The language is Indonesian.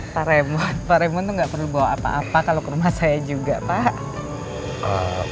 pak remon pak remon tuh gak perlu bawa apa apa kalo ke rumah saya juga pak